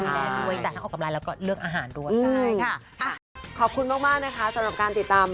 ออกกำลังแล้วก็เลือกอาหารรวม